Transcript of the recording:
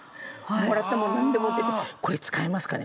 もらったものなんでも持っていって「これ使えますかね？」